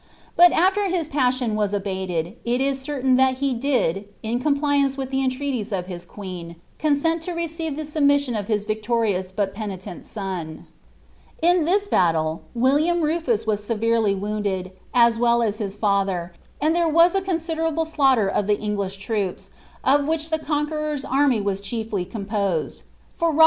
But after his passion was abated, it is certain that he did, in compliance with the entreaties of his queen, con sent to receive the submission of his victorious but penitent son/ In this battle, William Rufus was severely wounded, as well as his bther, and there was a considerable slaughter of the English troops, of which the Conqueror^s army was chiefly composed; for Robert had ' Horeden.